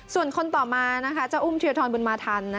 ส่วนคนต่อมาจะอุ้มเทียทรบุญมาทัน